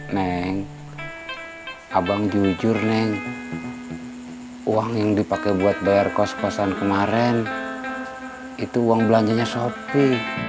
neng abang jujur neng uang yang dipakai buat bayar kos kosan kemarin itu uang belanjanya shopee